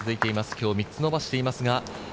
今日３つ伸ばしています。